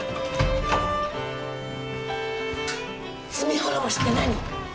罪滅ぼしって何？